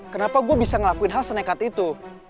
kenapa gue bisa ngelakuin hal senekat itu